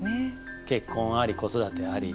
結婚あり子育てあり。